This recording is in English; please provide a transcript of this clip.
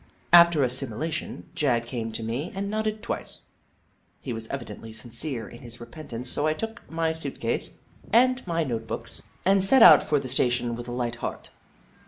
After assimilation, Jagg came to me and nodded twice. He was evidently sincere in Jagg, the Skootaway Goat 45 his repentance, so I took my suit case, and my note books, and set out for the station with a Hght heart.